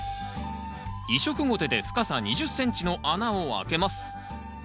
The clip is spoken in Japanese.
移植ゴテで深さ２０ｃｍの穴を開けます。